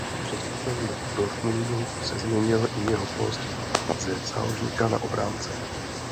S přestupem do Dortmundu se změnil i jeho post ze záložníka na obránce.